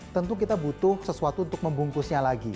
tentu kita butuh sesuatu untuk membungkusnya lagi